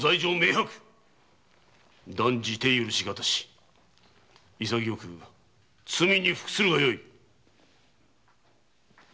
断じて許し難し潔く罪に服するがよい！